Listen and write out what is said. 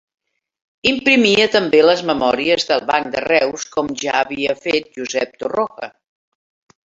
Imprimia també les memòries del Banc de Reus, com ja havia fet Josep Torroja.